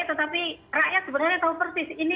tetapi rakyat sebenarnya tahu persis ini